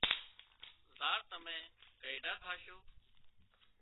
زار تمين گئيڍا ٿاشو